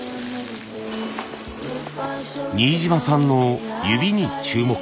新島さんの指に注目。